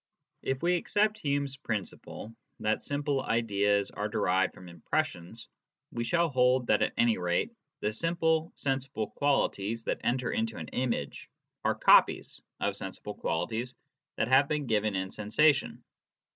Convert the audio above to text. If we accept Hume's principle that simple ideas are derived from impressions, we shall hold that at any rate the simple sensible qualities that enter into an image are "copies" of sensible qualities that have been given in sensation.